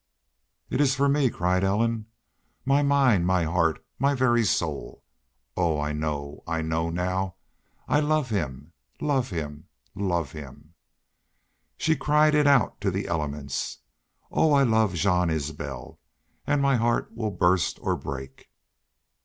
"It is for me!" cried Ellen. "My mind my heart my very soul.... Oh, I know! I know now! ... I love him love him love him!" She cried it out to the elements. "Oh, I love Jean Isbel an' my heart will burst or break!"